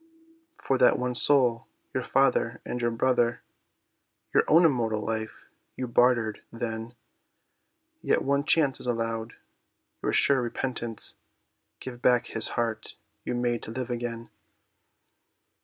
"For that one soul, your father and your brother, Your own immortal life you bartered; then, Yet one chance is allowed—your sure repentance, Give back his heart you made to live again."